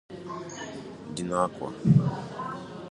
dị n'Awka